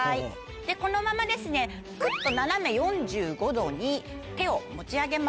このままくっと斜め４５度に手を持ち上げます。